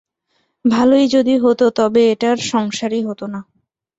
ভালই যদি হত, তবে এটা আর সংসারই হত না।